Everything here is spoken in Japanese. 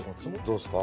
どうですか？